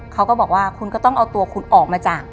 เขาก็บอกว่าคุณก็ต้องเอาตัวคุณออกมาจาก